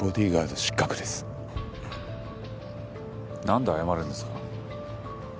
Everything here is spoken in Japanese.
なんで謝るんですか？